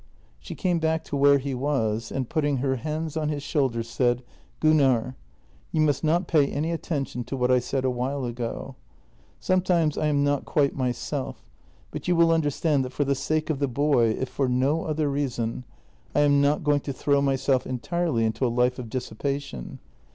She came back to where he was and, putting her hands on his shoulders, said: " Gunnar, you must not pay any attention to what I said a while ago. Sometimes I am not quite myself, but you will understand that, for the sake of the boy, if for no other reason, I am not going to throw myself entirely into a life of dissipa tion.